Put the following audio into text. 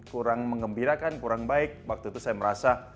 kurang mengembirakan kurang baik waktu itu saya merasa